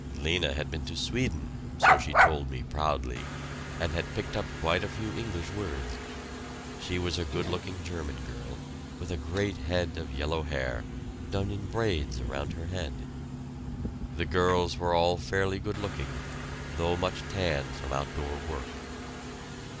Lena had been to Sweden, so she told me proudly, and had picked up quite a few English words. She was a good looking German girl, with a great head of yellow hair, done in braids around her head. The girls were all fairly good looking though much tanned from outdoor work.